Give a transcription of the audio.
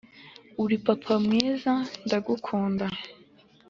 uri papa mwiza ndagukunda.